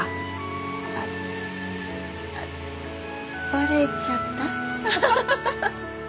あバレちゃった？